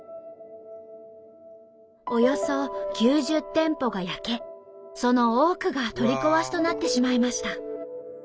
およそ９０店舗が焼けその多くが取り壊しとなってしまいました。